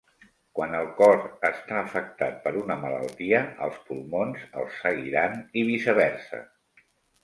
Quan el cor està afectat per una malaltia, els pulmons els seguiran i viceversa.